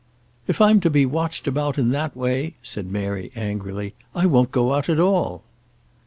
"If I'm to be watched about in that way," said Mary angrily, "I won't go out at all."